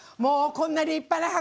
こんな立派な。